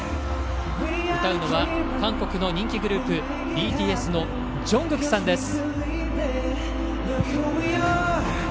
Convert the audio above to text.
歌うのは韓国の人気グループＢＴＳのジョングクさんです。